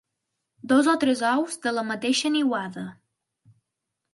Dos o tres ous de la mateixa niuada.